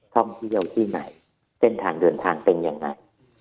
ท่องเที่ยวที่ไหนเส้นทางเดินทางเป็นยังไง